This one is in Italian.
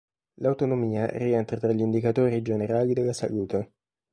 L'autonomia rientra tra gli indicatori generali della salute.